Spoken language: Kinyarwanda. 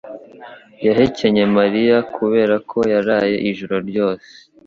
yahekenye Mariya kubera ko yaraye ijoro ryose.